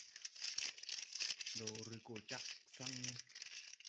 Ndo re go jāg saŋ ne.